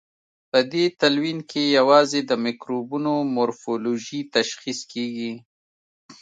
په دې تلوین کې یوازې د مکروبونو مورفولوژي تشخیص کیږي.